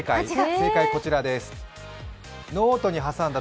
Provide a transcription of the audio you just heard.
正解はこちらです。